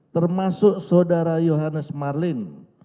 termasuk saudara yohanes marlin